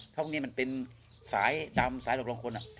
พวกนี้มันเป็นสายดำสายหลกหลงคลน่ะ